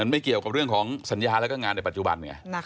ไม่เกี่ยวกับเรื่องของสัญญาแล้วก็งานในปัจจุบันไง